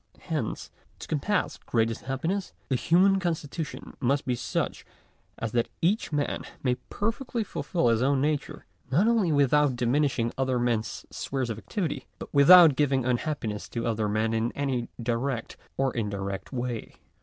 Hence, to compass greatest happiness, the human constitution must be such as that each man may perfectly fulfil his own nature, not only without diminishing other men's spheres of activity, but without giving unhappiness to other men in any direct or indirect way.